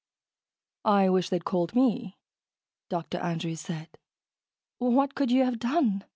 "I wish they'd called me," Dr. Andrews said. "What could you have done?